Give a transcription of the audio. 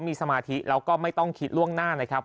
มีสมาธิแล้วก็ไม่ต้องคิดล่วงหน้านะครับ